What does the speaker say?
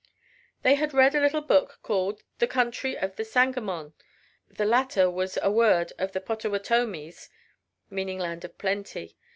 ... They had read a little book called The Country of the Sangamon. The latter was a word of the Pottawatomies meaning "land of plenty."